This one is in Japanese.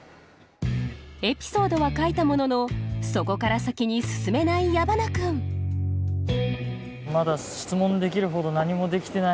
エピソードは書いたもののそこから先に進めない矢花君まだ質問できるほど何もできてない。